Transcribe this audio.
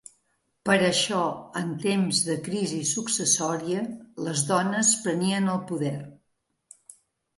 Per això, en temps de crisi successòria, les dones prenien el poder.